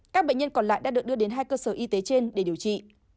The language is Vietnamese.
các bệnh nhân còn lại đã được đưa đến hai cơ sở y tế trên để điều trị